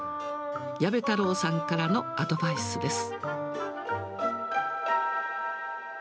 矢部太郎さんからのアドバイスです。